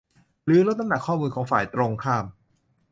หรือลดน้ำหนักข้อมูลของฝ่ายตรงข้าม